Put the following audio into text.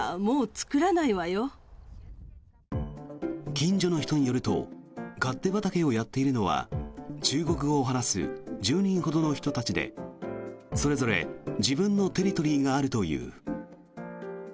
近所の人によると勝手畑をやっているのは中国語を話す１０人ほどの人たちでそれぞれ自分のテリトリーがあるという。